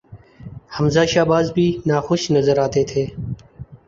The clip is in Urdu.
حمزہ شہباز بھی ناخوش نظر آتے تھے۔